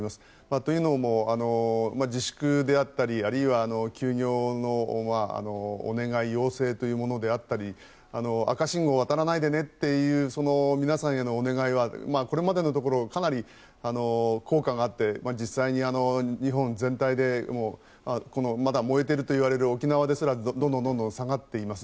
というのも自粛であったりあるいは休業のお願い要請というものであったり赤信号を渡らないでねという皆さんへのお願いはこれまでのところかなり効果があって実際に日本全体でまだ燃えているといわれる沖縄ですらどんどん下がっています。